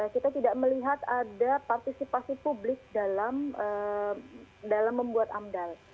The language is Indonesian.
kita tidak melihat ada partisipasi publik dalam membuat amdal